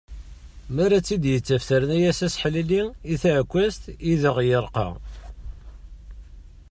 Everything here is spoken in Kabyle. Mi ara tt-id-yaf terna-yas aseḥlelli i tεekkazt i d aɣ-yerqa.